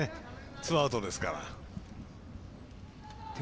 ツーアウトですから。